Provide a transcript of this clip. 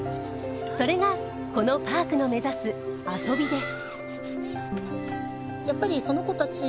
それがこのパークの目指す遊びです。